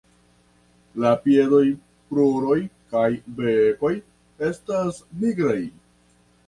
La piedoj, kruroj kaj bekoj estas nigraj.